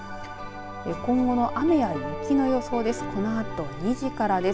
今後の雨や雪の予想です